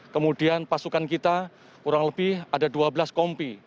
kemudian pasukan kita kurang lebih ada dua belas kompi